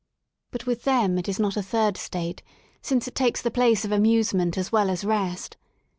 But with them it is not a third state, since it takes the place of amusement as well as rest.